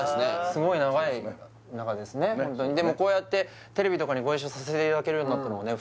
すごい長い仲ですねでもこうやってテレビとかにご一緒させていただけるようになったのはね